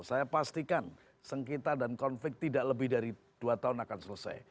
saya pastikan sengketa dan konflik tidak lebih dari dua tahun akan selesai